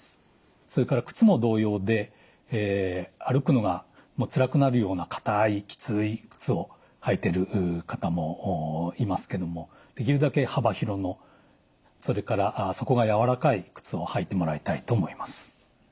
それから靴も同様で歩くのがつらくなるような硬いきつい靴を履いてる方もいますけどもできるだけ幅広のそれから底が軟らかい靴を履いてもらいたいと思います。